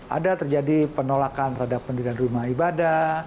ada terjadi penolakan terhadap pendidikan rumah ibadah